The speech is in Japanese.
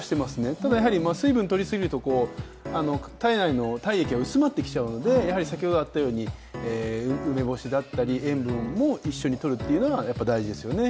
ただ、水分をとりすぎると体内の体液が薄まってきちゃうので、梅干しだったり塩分も一緒にとるっていうのが大事ですよね。